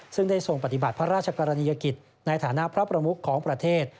ซึ่งได้ทรงปฏิบัติพระราชกรณียกิจในฐานะพระประมุขของประเทศ